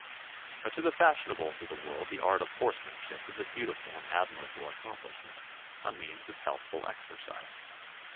But to the fashionables of the world the art of horsemanship is a beautiful and admirable accomplishment, a means of healthful exercise.